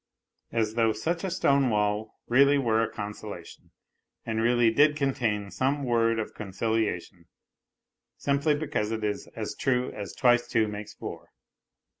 As though such a stone wall really were a consolation, and really did contain some word of conciliation, simply became it is as true as twice two makes four.